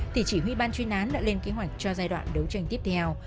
thì chỉ huy ban chuyên án đã lên kế hoạch cho giai đoạn đấu tranh tiếp theo